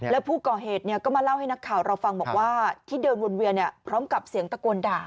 แล้วผู้ก่อเหตุก็มาเล่าให้นักข่าวเราฟังบอกว่าที่เดินวนเวียนพร้อมกับเสียงตะโกนด่า